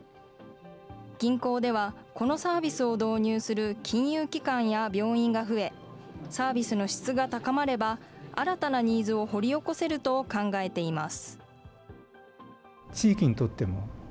銀行ではこのサービスを導入する金融機関や病院が増え、サービスの質が高まれば、新たなニーズを掘り起こせると考えています。